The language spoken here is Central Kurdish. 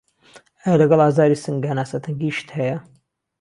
ئایا لەگەڵ ئازاری سنگ هەناسه تەنگیشت هەیە؟